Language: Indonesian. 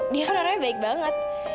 dia kan orangnya baik banget